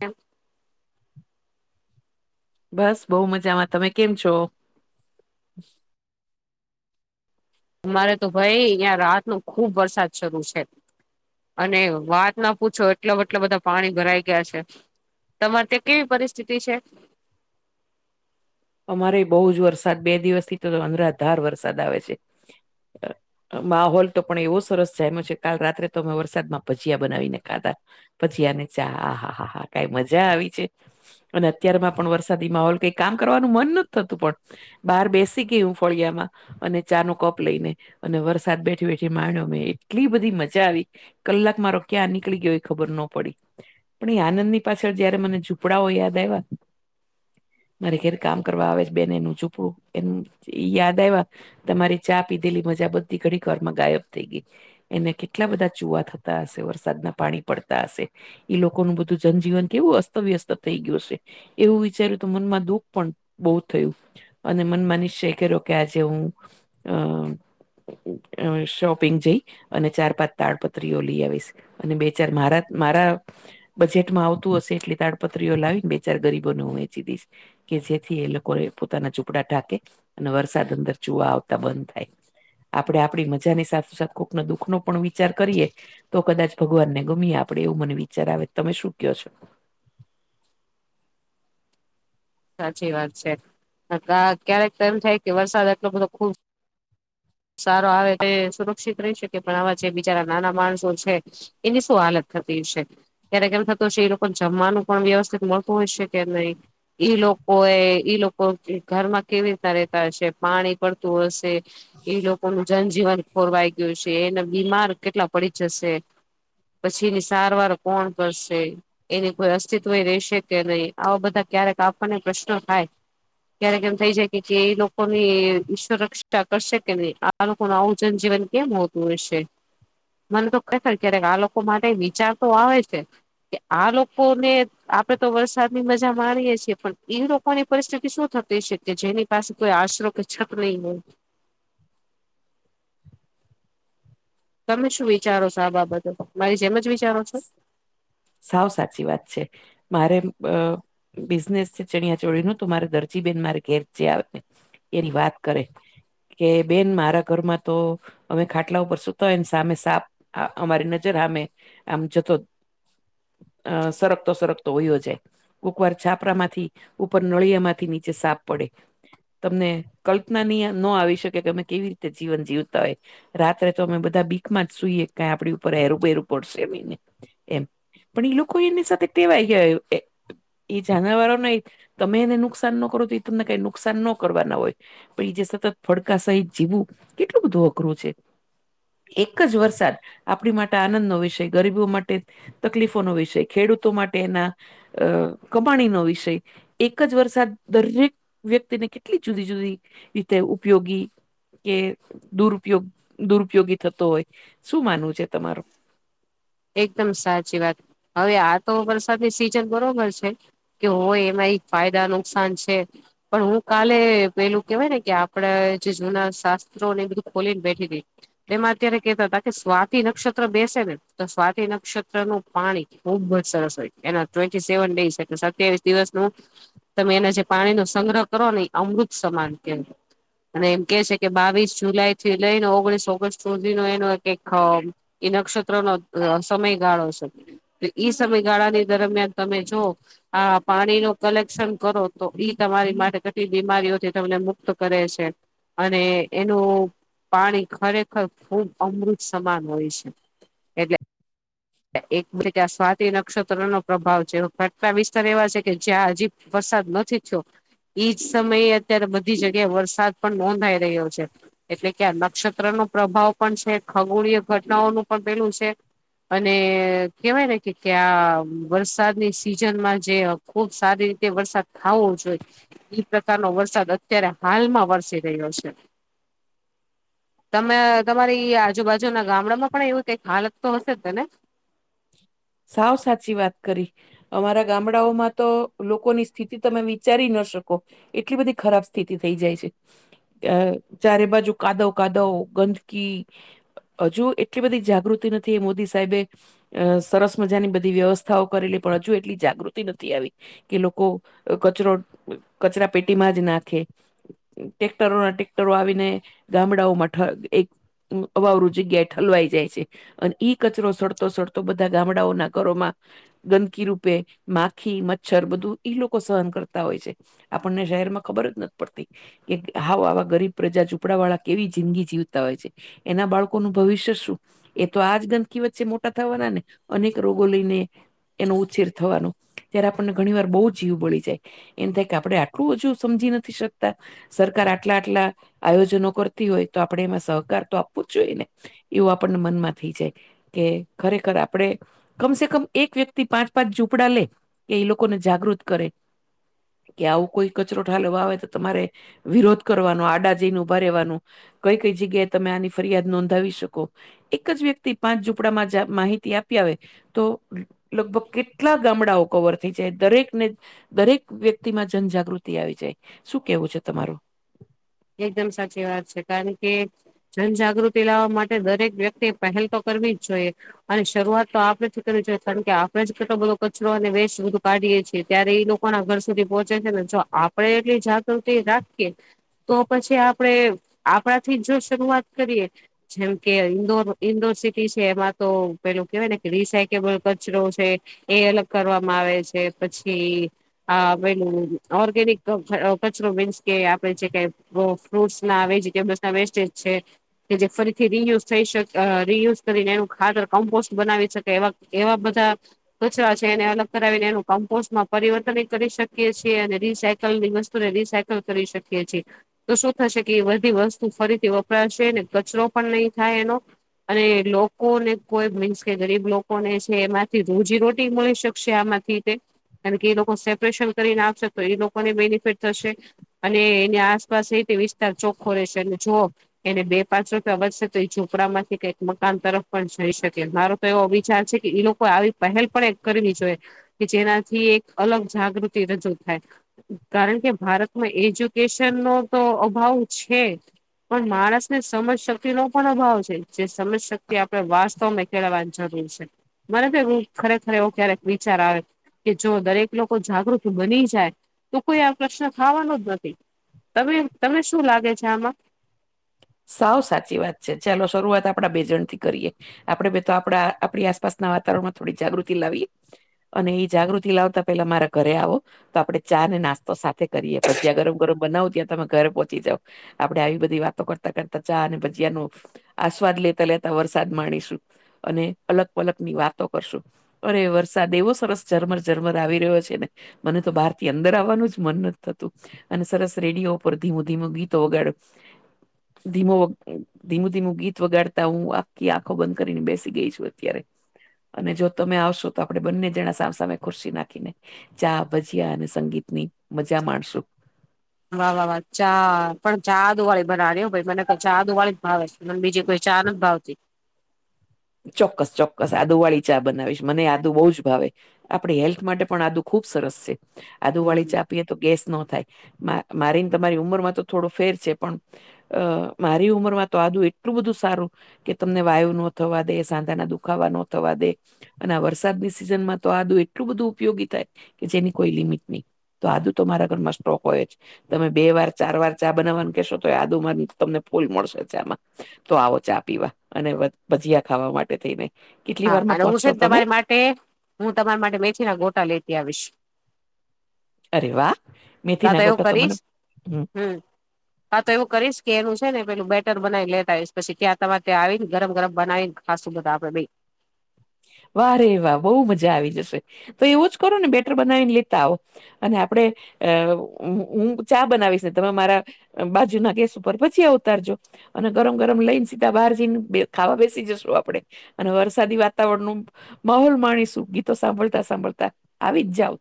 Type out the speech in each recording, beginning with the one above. એમ બસ બહુ મજામાં તમે કેમ છો? અમારે તો ભાઈ અહીંયા રાતનો ખુબ વરસાદ શરૂ છે. અને વાત ના પૂછો એટલા બટલા બધા પાણી ભરાઈ ગયા છે. તમારે ત્યાં કેવી પરિસ્થિતિ છે? અમારે બહુ જ વરસાદ બે દિવસથી તો અનરાધાર વરસાદ આવે છે. [inaudible] માહોલ તો પણ એવો સરસ જાયમો છે કાલ રાત્રે તો અમે વરસાદમાં ભજીયા બનાવીને ખાધા ભજીયા ને ચા હા હા હા હા કાઈ મજા આવી છે. અને અત્યારમાં પણ વરસાદી માહોલ કઈ કામ કરવાનું મન નથી થતું પણ બહાર બેસી કે હું ફળિયા માં અને ચા નો કપ લઈને અને વરસાદ બેઠી બેઠી માંડ્યો મેં એટલી બધી મજા આવી કલાક મારો ક્યાં નીકળી ગયો એ ખબર નો પડી. પણ એ આનંદની પાછળ જયારે મને ઝુંપડાઓ યાદ આયવા મારે ઘેર કામ કરવા આવે છે બેન એનું ઞુપડું એનું યાદ આયવા ત મારી ચા પીધેલી મજા બધી ઘડીક વારમાં ગાયબ થઈ ગઈ એને કેટલા બધા ચુવા થતા હશે વરસાદના પાણી પડતા હશે ઈ લોકોનું બધું જનજીવન કેવું અસ્તવ્યસ્ત થઈ ગયું હશે એવું વિચાર્યું તો મનમાં દુઃખ પણ બહુ થયું અને મનમા નિશ્ચય કયરો કે આજે હું અં અ શોપિંગ જઈ અને ચાર પાંચ તાડપત્રીઓ લઈ આવીશ અને બે ચાર મારા મારા બજેટમાં આવતું હશે એટલી તાડપત્રીઓ લાવી ને બે ચાર ગરીબોને હું વેંચી દઈશ કે જેથી એ લોકો એ પોતાના ઝુંપડા ઢાકે અને વરસાદ અંદર ચુવા આવતા બંધ થાય આપડે આપડી મજાની સાથસાથ કોકનો દુઃખનો પણ વિચાર કરીએ તો કદાચ ભગવાન ને ગમીએ આપડે એવું મને વિચાર આવે તમે શું કયો છો? સાચી વાત છે ક્યારેક એમ થાય કે વરસાદ એટલો બધો ખુબ સારો આવે તો સુરક્ષિત રહી શકે પણ આવા જે બિચારા નાના માણસો છે એની શું હાલત થતી હસે. ક્યારે કેમ થતું હશે એ લોકો જમવાનું પણ વ્યવસ્થિત મળતું હોય છે કે નહી ઈ લોકોએ ઈ લોકો ઘરમાં કેવી રીતના રેતા હશે પાણી પડતું હશે એ લોકોનું જનજીવન ખોરવાઈ ગયું છે એને બીમાર કેટલા પડી જશે પછીની સારવાર કોણ કરશે એની કોઈ અસ્તિત્વ રેશે કે નહી આવા બધા ક્યારેક આપણને પ્રશ્ન થાય ક્યારેક એમ થઇ શકે કે એ લોકો ની સુરક્ષા કરશે કે નહી આ લોકોનુ આવું જનજીવન કેમ હોતું હશે? મને તો [unintelligible] ક્યારેક આ લોકો માટે વિચાર તો આવે છે. કે આ લોકો ને આપડે તો વરસાદની મજા માણીએે કે પણ એ લોકોની પરિસ્થિતિ શું થતી હશે કે જેની પાસે કોઈ આશરો કે છત નહીં હોય તમે શું વિચારો છો આ બાબતે મારી જેમ જ વિચારો છો સાવ સાચી વાત છે મારે બિઝનેસ છે ચણિયા ચોળીનું તો મારે દરજીબેન મારે ઘેર છે આવે એની વાત કરે કે બેન મારા ઘરમાં તો અમે ખાટલા ઉપર સુતા હોય ને સામે સાપ આ અમારી નજર અમે આમ જતો? અ સરક તો સરકતો હોયયો જાય- એકવાર છાપરા માંથી ઉપર નળિયા માંથી નીચે સાફ પડે- તમને કલ્પનાની ન આવી શકે કે અમે કેવી રીતે જીવન જીવતા હોય- રાત્રે તો અમે બધા બીકમાં જ સુઈએ કઈ આપડી ઉપર એરું બેેરું પડશે- એ પણ એ લોકો એની સાથે ટેવાય ગયા- એ જાનવરો ને તમે એને નુકસાન ન કરો તો એ તમને કઈ નુકસાન ન કરવાના હોય- આપ જે સતત ફડકા સહિત જીવું કેટલું બધું અઘરું છે. એક જ વરસાદ આપણી માટે આનંદ નો વિષય- ગરીબો માટે તકલીફોનોો વિષય ખેડૂતો માટે એના- અ કબાણી નો વિષય- એક જ વર્ષ દરેક વ્યક્તિને કેટલી જુદી જુદી રીતે ઉપયોગી- કે દુરુપયોગ દુરુપયોગી થતો હોય શું માનવું છે તમારે - એકદમ સાચી વાત હવે આ તો વરસાદની સિઝન બરોબર છે. કે હોય એમાં એક ફાયદા નુકસાન છે. પણ હું કાલે પેલું કેવાય ને કે આપડે જે જૂના શાસ્ત્રો ને એ બધું ખોલીને બેઠી રઈ- એમાં અત્યારે કેતા હતા કે સ્વાતિ નક્ષત્ર બેસે ને- તો સ્વાતી નક્ષત્ર નું પાણી ખુબ જ સરસ હોય છે એના ટવે સેવન ડસ એટલે સત્યાવીસ દિવસનું- તમે એના જે પાણી નો સંગ્રહ કરો ને એ અમૃત સમાન ક- અને એમ કે છે કે બાવીસ જુલાઈ થી લઈને ઓગણીસ ઓગસ્ટ સુધીનો એનો એક- એ નક્ષત્ર નો સમય ગાળો છે- તો ઈ સમયગાળાની દરમિયાન તમે જો- હા પાણી ન કલેક્શન કરો તો ઈ તમારી માટે ઘટલી બીમારીઓથી તમને મુક્ત કરે છે. અને એનું પાણી ખરેખર ખૂબ અમૃત સમાન હોય છે. એટલે એક કે આ સ્વાતી નક્ષત્ર નો પ્રભાવ છે ફટકા વિસ્તાર એવા છે કે જ્યાં હજી- વરસાદ નથી છો. એઈજ સમયે અત્યારે બધી જગ્યાએ વરસાદ પણ નોંધાઈ રહ્યો છે. એટલે કે આ નક્ષત્ર નો પ્રભાવ પણ છે. ખગોળીય ઘટનાઓનું પણ પેલું છે. અને કેહેવાય ને કે કે આ વરસાદની સિઝનમાં જે- ખુબ સારી રીતે વરસાદ ખાવો જોઈએ- એ પ્રકારનો વરસાદ અત્યારે હાલમાં વરસી રહ્યો છે. તમે તમારી આજુબાજુના ગામડામાં પણ એવું કઈક હાલત તો હશે જ તને- સાવ સાચી વાત કરી- અમારા ગામડાઓમાં તો લોકોની સ્થિતિ તમે વિચારી ના શકો? એટલી બધી ખરાબ સ્થિતિ થઈ જાય છે. અ ચારે બાજુ કાદવ કાદવ ગંદકી- હજુ એટલી બધી જાગૃતિ નથી એ મોદી સાહેબે- અ સરસ મજાની બધી વ્યવસ્થાઓ કરેલી પણ હજુ એટલી જાગૃતિ નથી આવી- કે લોકો કચરો કચરા પેટીમાં જ નાખે- ટેક્ટરો ના ટેક્ટરો આવીને ગામડાઓમાં એક- અવારું જગ્યા ઠલવાઈ જાય છે અને ઈ કચરો સડતો સતો- તો બધા ગામડાઓના ઘરોમાં- ગંદકી રૂપે માખી મચ્છર બધું ઈ લોકો સહન કરતા હોય છે. આપણને શહેર માં ખબર જ નથી પડતી- કે હાવ આવા ગરીબ પ્રજાઝપડા વાળા કેવી જિંદગી જીવતા હોય છે. એના બાળકોનું ભવિષ્ય શું એ તો આજ ગંદકી વચ્ચે મોટા થવાનાને અનેક રોગો લઈને એનો ઉછેર થવાનો- ત્યારે આપણને ઘણી વાર બહુ જીવ બળી જાય એમ થાય કે આપડે આટલું હજુ સમજી નથી શકતા સરકાર આટલા આટલા આયોજનો કરતી હોય તો આપડે એમાં સહકાર તો આપવો જ જોઈએ ને એવું આપણને મનમાં થઈ જાય કે ખરેખર આપડે કમસે કમ એક વ્યક્તિ પાંચ પાંચ ઝુંપડા લે કે એ લોકોને જાગૃત કરે કે આવું કોઈ કચરો ઠાલવા આવે તો તમારે વિરોધ કરવાનો આડાજૈન ઉભા રહેવાનું કઈ કઈ જગ્યાએ તમે આની ફરિયાદ નોંધાવી શકો એક જ વ્યક્તિ પાંચ ઝૂપડામાં જા માહિતી આપી આવે તો લગભગ કેટલા ગામડાઓ કવર થઈ જાય દરેક ને દરેક વ્યક્તિમાં જનજાગૃતિ આવી જાય શું કેવું છે તમારું એકદમ સાચી વાત છે કારણ કે જનજાગૃતિ લાવવા માટે દરેક વ્યક્તિએ પહેલ તો કરવી જ જોઈએ અને શરૂઆત તો આપડેથી કરવી જોઈએ કાણ કે આપડે જ કેટલો બધો કચરો અને વેેશ બધું કાઢીએે છીએ ત્યારે એ લોક પણ આઘર સુધી પોહોંચે છે ને જો આપડે એટલી જાગૃતિ રાખીએ તો પછી આપડે આપડાથીજ જો શરૂઆત કરીએ જેમ કે ઈન્દોર ઈન્દોર સિટી છે એમાં તો પેલું કેવાય ને કે રિસાયકેબલ કચરો છે એ અલગ કરવામાં આવે છે પછી આ પેલું ઓર્ગેનિક [unintelligible] કચરો મિન્સ કે આપે જે કઈ વો ફ્રૂટસ ના આવે જગ્યા બસ ના વેસ્ટેજ છે કે જે ફરીથી રિયુઝ થઈ શકે અ રિયુઝ કરીને એનું ખાતર કમ્પોસ્ટ બનાવી શકે એવા એવા બધા કચરા છે એને અલગ કરાવીને એનું કમ્પોસ્ટ માં પરિવર્તનય કરી શકીએ છીએ અને રીસાયકલની વસ્તુને રીસાક કલ કરી શકીએ છે શું થશે કે એ બધી વસ્તુ ફરીથી વપરાશે ને કચરો પણ નઈ થાય એનો અને લોકો ને કોઈ મીન્સ કે ગરીબ લોકોને છે એમાંથી રોજીરોટી મળી શકશે આમાં [unintelligible] કારણ કે એ લોકો સેપરેશન કરીને આપશે તો એ લોકોને બેનિફિટ થશે અને એને આસપાસ એ તે વિસ્તાર ચોખ્ખો રહેશે અને જોઅ એને બે પાંચ રૂપિયા વધશે તો એ ઝોપડા માંથી કઈક મકાન તરફ પણ જઈ શકે મારો તો એવો વિચાર છે કે ઈ લોકો આવી પહેલ પણ એક કરવી જોઈએ કે જેનાથી એક અલગ જાગૃતિ રજૂ થાય કારણ કે ભારતમાં એજ્યુકેશન નો તો અભાવ છે પણ માણસ ને સમજ શક્તિ નો પણ અભાવ છે જે સમજ શક્તિ આપડે વાસ્તવને કેળવાની જરૂર છે મને તો એવું ખરેખર એવો ક્યારેક વિચાર આવે કે જો દરેક લોકો જાગૃત બની જાય તો કોઈ આ પ્રશ્ન થવાનો જ નથી તમે તમને શું લાગે છે આમાં સાવ સાચી વાત છે ચાલો શરૂઆત આપડા બે જણથી કરીએ આપડે બેતો આપડા આપડી આસપાસના વાતાવરણમાં થોડી જાગૃતિ લાવીએ અને એ જાગૃતિ લાવતા પેલા મારા ઘરે આવો તો આપડે ચા ને નાસ્તો સાથે કરીએ ભજીયા ગરમ ગરમ બનાવું ત્યાં તમે ઘરે પહોંચી જાવ આપડે આવી બધી વાતો કરતા કરતા ચા અને ભજીયાનું આસ્વાદ લેતા લેતા વરસાદ માણીશું અને અલગ પલક ની વાતો કરશું અરે વરસાદ એવો સરસ ઝરમર ઝરમર આવી રહ્યો છે ને મને તો બહાર થી અંદર આવવાનું જ મન નથી થતું અને સરસ રેડિયો ઉપર ધીમું ધીમું ગીતો વગાડું ધીમો ધીમું ધીમું ગીત વગાડતા હું આખી આંખો બંધ કરીને બેસી ગઈ છું અત્યારે અને જો તમે આવશો તો આપડે બંને જણા સામેસામે ખુરશી નાખીને ચા ભજીયા અને સંગીત ની મજા માણશું વાહ વાહ વાહ ચા પણ ચા આદુવાળી બનાવાની હો ભાઈ મને તો ચા આદુવાળી ભાવે મન બીજી કોઈ ચા નથી ભાવતી ચોક્કસ ચોક્કસ આદુ વાળી ચા બનાવીશ મને આદુ બહુ જ ભાવે આપણે હેલ્થ માટે પણ આદુ ખુબ સરસ છે આદુ વાળી હમ ચા આપીએ તો ગેસ ન થાય મારીને તમારી ઉંમરમાં તો થોડો ફેર છે પણ અ મારી ઉંમર માં તો આદું એટલું બધું સારું કે તમને વાયુ નત થવા દે સાંધા ના દુખાવા ન થવા દે અને આ વરસાદની સિઝન માં તો આદું એટલું બધું ઉપયોગી થાય કે જેની કોઈ લિમિટ નહી તો આજુ તો મારા ઘરમાં સ્ટોક હોય જ તમે બે વાર ચાર વાર ચા બનાવવાનું કેહેશો તો આદુમાંર તમને ફૂલ મળશે ચામાં તો આવો ચા પીવા અને ભજીયા ખાવા માટે થઈને કેટલી હા વારમાં અને હું છે પહોંચશો ને તમે તમારી માટે હું તમારી માટે મેથી ના ગોટા લેતી આવીશ અરે વા મેથી કા ના એવું ગોટ તો મને કરીશ હ હમ હા તો એવું કરીશ કે એનું છે ને પેલું બેટર બનાવી લે આવીશ પછી ત્યાં તમારે ત્યાં આવી ને ગરમ ગરમ બનાવીને હા સુું બધા આપે ભાઈ વા રે વાહ બહુ મજા આવી જશે તો એવો જ કરો ને બેટર બનાવીને લેતા આવો અને આપણેે અ હું ચા બનાવીશ ને તમે મારા બાજુ ના ગેસ ઉપર ભજીયા ઉતારજો. અને ગરમ ગરમ લઈને સીધા બહાર જઈને ખાવા બેસી જશું આપડે અને વરસાદી વાત વાતાવરણ નું માહોલ માણીશું ગીતો સાંભળતા સાંભળતા આવી જ જાવ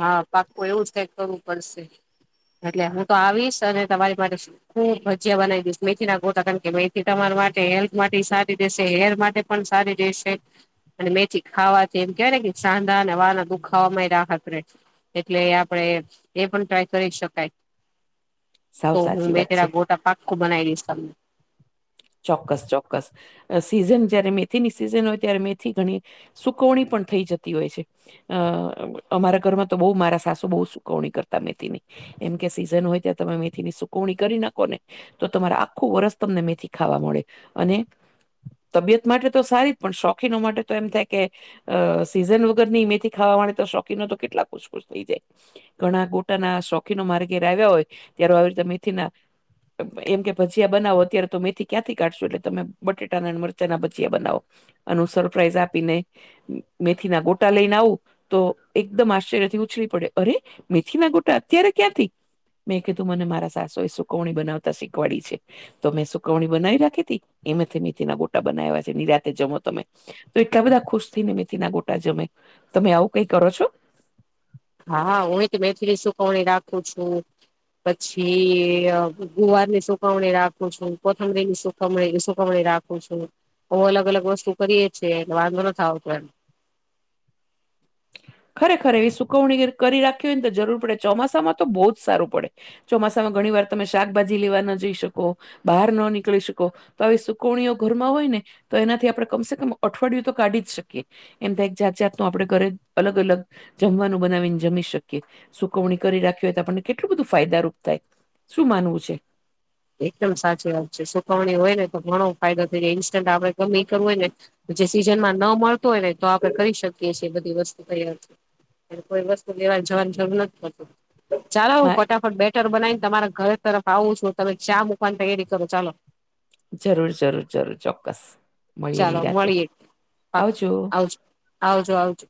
હા પાકું એવું જ કઈક કરવું પડશે એટલે હું તો આવીશ અને તમારી માટે શું હું ભજીયા બનાવી દઈશ મેથી ના ગોટ કારણ કે મેથી તમારા માટે હેલ્થ માટે સારી રહેેશે હેર માટે પણ સારી રશે અને મેથી ખાવાથી એમ કેવાય ને કે સાંધા અને વાના દુખાવા રાહતે એટલે આપડે એ પણ ટ્રાય કરી શકાય સાવ તો હું સાચી વાત છે મેથીના ગોટા પાક્કું બનાવી દઈશ તમને ચોક્કસ ચોક્કસ સીઝન જયારે મેથીની સિઝન હોય ત્યારે મેથી ઘણી સુકવણી પણ થઈ જતી હોય છે. અ અમારા ઘરમાં તો બહુ મારા સાસુ બહુ સુકવણી કરતા મેથી ની એમ કે સીઝન હોય ત્યાં તમે મેથીની સુકવણી કરી નાખો ને તો તમારે આખું વર્ષ તમને મેથી ખાવા મળે અને તબિયત માટે તો સારી જ પણ શોખીનો માટે તો એમ થાય કે અ સીઝન વગર ની મેથી ખાવા વાળાતો શોખીનો તો કેટલા ખુશ ખુશ થઈ જાય. ઘણા ગોટાના શોખીનો મારે ઘેર આવ્યા હોય ત્યારે આવી રીતે મેથીના એમ કે ભજીયા બનાવો અત્યારે તો મેથી ક્યાંથી કાઢશો એટલે તમે બટેટા ના મરચાના ભજીયા બનાવો અને સરપ્રાાઈઝ આપીને મેથી ના ગોટા લઈને આવું તો એકદમ આશ્ચર્ય થી ઉછળ પડે અરે મેથી ના ગોટા અત્યારે ક્યાંથી મેં કીધું મને મારા સાસોએ સુકવણી બનાવતા શીખવાડી છે તો મેં સુ કવણી બનાવી રાખી તી એમાંથી મેથી ના ગોટા બનાવ્યા છે નીરાતે જમો તમે તો એટલા બધા ખુશ થીને મેથી ના ગોટા જમે તમે આવું કઈ કરો છો હા હું તો મેથીલી સુકવણી રાખું છું. પછી ગુવારની સુકવણી રાખું છું કોથમડી ની સુકમણી સુકવણી રા ખૂ છુ બો અલગ અલગ વસ્તુ કરીએ છે એટલે વાંધો નથ આવતો એમ ખરેખર એવી સુકવણી કરી રાખી હોય ને તો જરૂર પડે ચોમાસામાં તો બહુ જ સારું પડે ચોમાસામાં ઘણી વાર તમે શાકભાજી લેવા ન જઈ શકો બહાર ન નીકળી શકો તો આવી સુકવણીઓ ઘરમાં હોય ને તો એનાથી આપડણે કમસે કમ અઠવાડિયું તો કાઢી જ શકીએ એમ તો એક જાત જાતનું આપણે ઘરે અલગ અલગ જમવાનું બનાવીને જમી શકીએ સુકવણી કરી રાખી હોય તો આપણને કેટલું બધું ફાયદારૂપ થાય શું માનવું છે? એકદમ સાચી વાત છે સુકવણી હોય ને તો ઘણો ફાયદો થઈ જાય ઇન્સ્ટન્ટ આપડે ગમે ઈ કરવું હોય ને જે સિઝન માં ન મળતો હોય ને તો આપડે કરી શકીએ છીએ બધી વસ્તુ તૈયાર કોઈ વસ્તુ લેવા જવાની જરૂર નથી પડતી. ચાલો હું મા- ફટાફટ બેટર બનાવીને તમારા ઘર તરફ આવું છું તમે ચા મૂકવાની તૈયારી કરો ચાલો. જરૂર જરૂર જરૂર ચોક્કસ. મળીએ ચાલો ની રાતે મળીએ પાક્કુ આવજો આવજો આવજો.